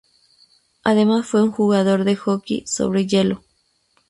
Además fue un jugador de hockey sobre hielo.